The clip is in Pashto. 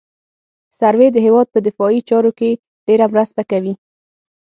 سروې د هېواد په دفاعي چارو کې ډېره مرسته کوي